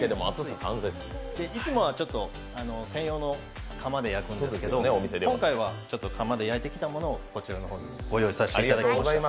いつもは専用のかまで焼くんですけども今回は釜で焼いてきたものをこちらの方へご用意させていただきました。